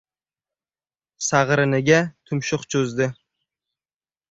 Sag‘riniga tumshuq cho‘zdi.